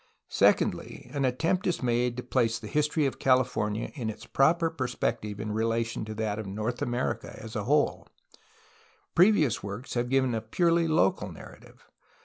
Secondly, an attempt is made to place the history of California in its proper perspective in relation to that of North America as VI PREFACE a whole. Previous works have given a purely local narrative.